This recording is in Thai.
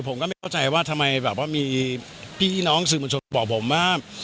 ผมก็ไม่เข้าใจว่าทำไมแบบว่ามีพี่น้องสื่อมวลชนบอกผมว่า